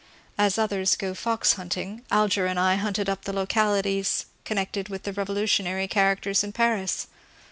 As others go fox hunting, Alger and I hunted up the localities connected with revolu lutionary characters in Paris.